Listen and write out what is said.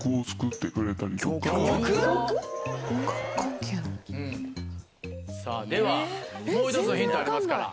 曲⁉さぁではもう１つのヒントありますから。